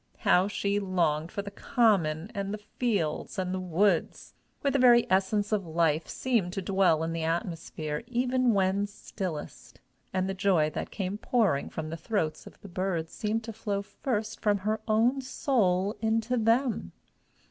How she longed for the common and the fields and the woods, where the very essence of life seemed to dwell in the atmosphere even when stillest, and the joy that came pouring from the throats of the birds seemed to flow first from her own soul into them!